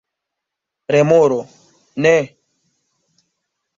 Remoro: "Ne!"